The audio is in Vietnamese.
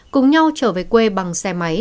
cùng nhau trở về quê bằng xe máy